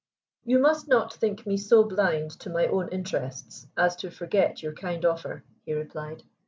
"You must not think me so blind to my own interests as to forget your kind offer," he replied.